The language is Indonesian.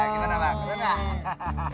gimana bang keren gak